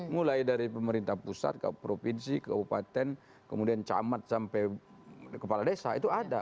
mulai dari pemerintah pusat provinsi kabupaten kemudian camat sampai kepala desa itu ada